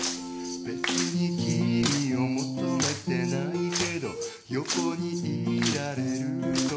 「別に君を求めてないけど横にいられると思い出す」